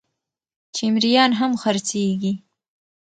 چې مريان هم خرڅېږي